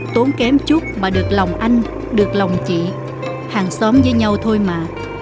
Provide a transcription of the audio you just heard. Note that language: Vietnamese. tốn kém chút mà được lòng anh được lòng chị hàng xóm với nhau thôi mà